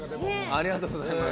ありがとうございます。